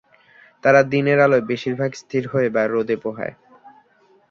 তারা দিনের আলোয় বেশিরভাগ স্থির হয়ে বা রোদে পোহায়।